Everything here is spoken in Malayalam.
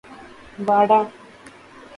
വാടാ